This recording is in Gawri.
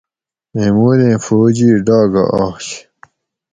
محمودیں فوج ئ ڈاگہ آش